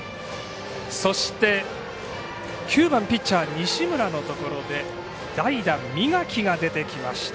そして９番ピッチャー西村のところで代打三垣が出てきました。